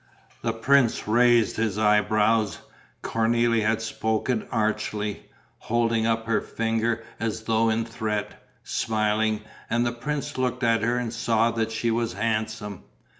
The prince raised his eyebrows. Cornélie had spoken archly, holding up her finger as though in threat, smiling; and the prince looked at her and saw that she was handsome.